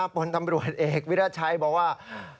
ผลตำรวจเอกวิราชัยบอกว่า